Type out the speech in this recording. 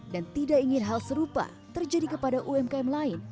dan tidak ingin hal serupa terjadi kepada umkm lain